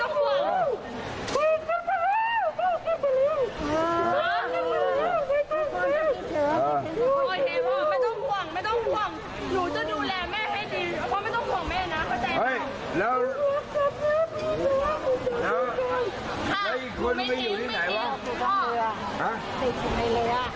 ครับหนูไม่ดีไม่ดีพ่อ